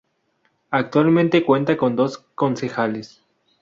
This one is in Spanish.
Actualmente cuenta con dos concejales.